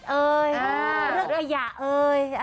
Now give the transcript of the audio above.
เรือกับอาหยะ